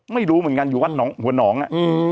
ไม่รู้เหมือนกันอยู่วัดหนองหัวหนอง